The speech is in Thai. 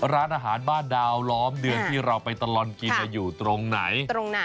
ร้านอาหารบ้านดาวล้อมเดือนที่เราไปตลอดกินอยู่ตรงไหน